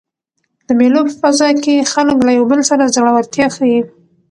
د مېلو په فضا کښي خلک له یو بل سره زړورتیا ښيي.